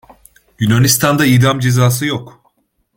Yunanistan'da idam cezası yok.